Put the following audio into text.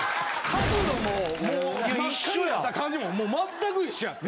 角度も真っ赤になった感じも全く一緒やって。